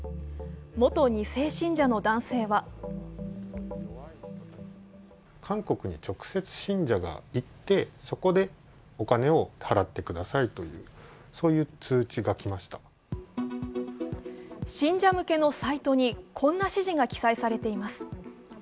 元２世信者の男性は信者向けのサイトにこんな指示が記載されています。